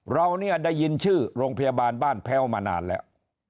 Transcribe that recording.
เราเนี่ยได้ยินชื่อโรงพยาบาลบ้านแพ้วมานานแล้ว